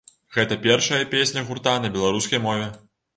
Гэта першая песня гурта на беларускай мове.